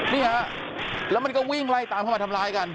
นี่ฮะแล้วมันก็วิ่งไล่ตามเข้ามาทำร้ายกัน